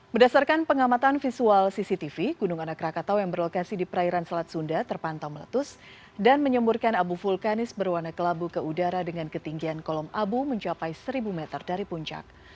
berdasarkan pengamatan visual cctv gunung anak rakatau yang berlokasi di perairan selat sunda terpantau meletus dan menyemburkan abu vulkanis berwarna kelabu ke udara dengan ketinggian kolom abu mencapai seribu meter dari puncak